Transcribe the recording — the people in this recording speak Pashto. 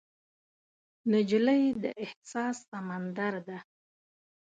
نجلۍ د احساس سمندر ده.